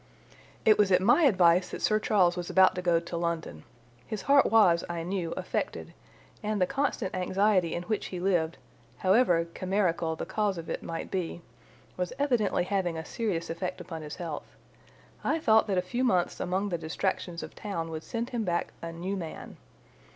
"It was at my advice that Sir Charles was about to go to London. His heart was, I knew, affected, and the constant anxiety in which he lived, however chimerical the cause of it might be, was evidently having a serious effect upon his health. I thought that a few months among the distractions of town would send him back a new man.